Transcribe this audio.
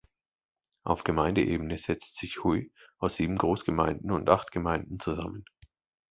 Auf Gemeindeebene setzt sich Hui aus sieben Großgemeinden und acht Gemeinden zusammen.